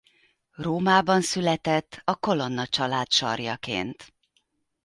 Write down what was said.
Rómában született a Colonna család sarjaként.